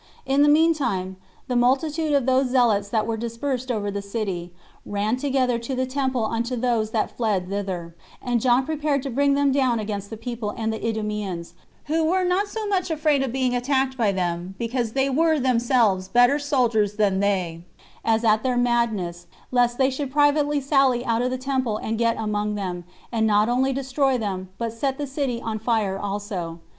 In the mean time, the multitude of those zealots that were dispersed over the city ran together to the temple unto those that fled thither, and John prepared to bring them down against the people and the Idumeans, who were not so much afraid of being attacked by them [because they were themselves better soldiers than they] as at their madness, lest they should privately sally out of the temple and get among them, and not only destroy them, but set the city on fire also.